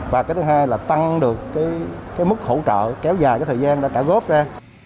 và cái thứ hai là tăng được cái mức hỗ trợ kéo dài cái thời gian đã trả góp ra